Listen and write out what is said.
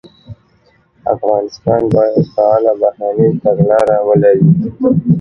افغانستان باید فعاله بهرنۍ تګلاره ولري.